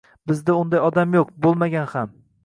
Bizda unday odam yoʻq, boʻlmagan ham.